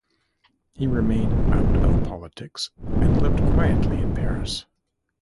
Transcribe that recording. He remained out of politics and lived quietly in Paris.